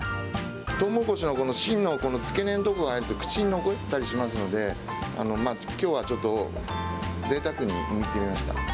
とうもろこしの芯の付け根のところが入ると、口に残ったりしますので、きょうはちょっとぜいたくにむいてみま